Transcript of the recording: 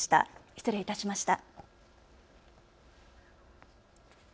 失礼いたしました。